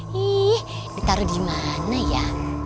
hih ditaruh dimana ya